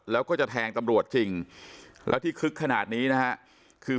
แล้วก็จะแทงตำรวจจริงแล้วที่คึกขนาดนี้นะฮะคือ